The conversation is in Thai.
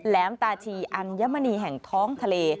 แหมตาชีอัญมณีแห่งท้องทะเล